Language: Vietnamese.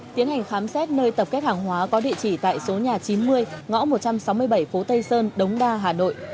tiến hành khám xét nơi tập kết hàng hóa có địa chỉ tại số nhà chín mươi ngõ một trăm sáu mươi bảy phố tây sơn đống đa hà nội